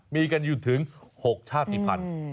มีกันอยู่ถึง๖ชาติภัณฑ์